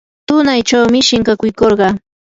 tunaychawmi shinkakuykurqaa.